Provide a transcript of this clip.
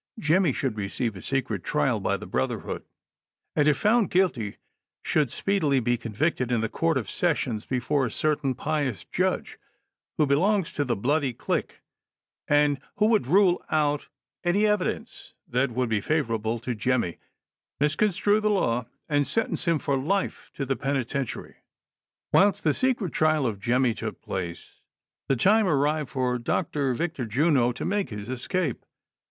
Jemmy should receive a secret trial by the brotherhood, and if found guilty should speedily be convicted in the court of sessions before a cer tain pious (V) judge, who belongs to the bloody clique, and 96 THE SOCIAL WAR OF 1900; OR, who would rule out any evidence that would be favorable to Jemmy, misconstrue the law, and sentence him for life to the penitentiary. Whilst the secret trial of Jemmy took place, the time arrived for Dr. Victor Juno to make his escape.